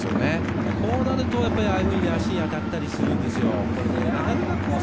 こうなるとああいうふうに足に当たったりするんですよ。